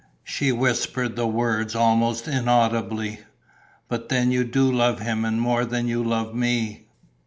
She whispered the words almost inaudibly. "But then you do love him and more than you love me."